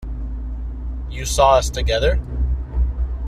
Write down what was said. You saw us together?